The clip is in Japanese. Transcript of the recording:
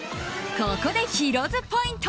ここでヒロ’ｓポイント。